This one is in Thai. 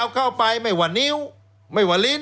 แล้วเขาก็ใช้วิธีการเหมือนกับในการ์ตูน